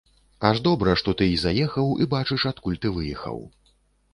Аж добра, што ты і заехаў і бачыш, адкуль ты выехаў.